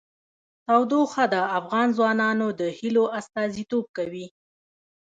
تودوخه د افغان ځوانانو د هیلو استازیتوب کوي.